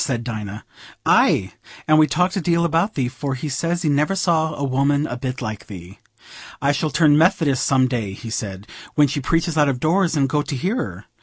said Dinah. "Aye; and we talked a deal about thee, for he says he never saw a woman a bit like thee. 'I shall turn Methodist some day,' he said, 'when she preaches out of doors, and go to hear her.